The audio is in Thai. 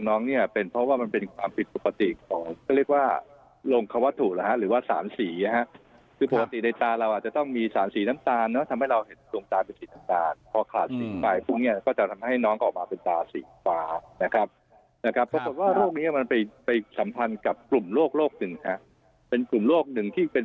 ก็เรียกว่าโรงควาวัตถุหรอฮะหรือว่าสารสีนะฮะคือปกติในตาเราอาจจะต้องมีสารสีน้ำตาลเนอะทำให้เราเห็นตรงตาเป็นสีน้ำตาลเพราะขาดสีฟ้ายพรุ่งเนี่ยก็จะทำให้น้องออกมาเป็นตาสีฟ้านะครับนะครับเพราะว่าโรคนี้มันไปไปสัมพันธ์กับกลุ่มโรคโรคหนึ่งฮะเป็นกลุ่มโรคหนึ่งที่เป